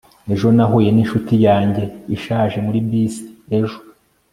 ejo nahuye ninshuti yanjye ishaje muri bisi ejo